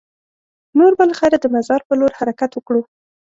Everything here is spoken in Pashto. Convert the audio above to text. نور به له خیره د مزار په لور حرکت وکړو.